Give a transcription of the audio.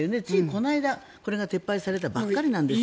この間、この規制が撤廃されたばっかりなんですよ。